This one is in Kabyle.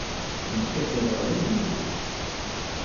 Nekk, ad t-rreɣ d amenzu.